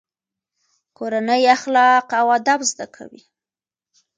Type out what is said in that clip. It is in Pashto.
کورنۍ اخلاق او ادب زده کوي.